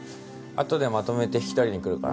後でまとめて引き取りにくるから。